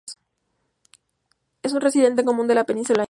Es un residente común de la península india.